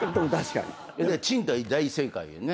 賃貸大正解やね。